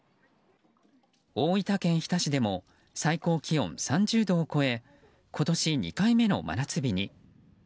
大分県日田市でも最高気温３０度を超え今年２回目の真夏日に。